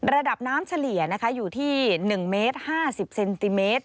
ระดับน้ำเฉลี่ยนะคะอยู่ที่๑เมตร๕๐เซนติเมตร